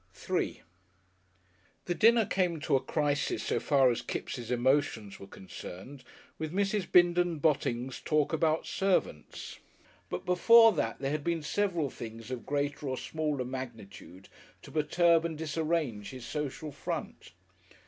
§3 The dinner came to a crisis so far as Kipps' emotions were concerned, with Mrs. Bindon Botting's talk about servants, but before that there had been several things of greater or smaller magnitude to perturb and disarrange his social front.